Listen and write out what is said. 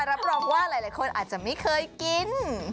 รับรองว่าหลายคนอาจจะไม่เคยกิน